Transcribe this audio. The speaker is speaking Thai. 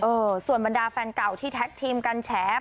ส่วนบรรดาแฟนเก่าที่แท็กทีมกันแฉ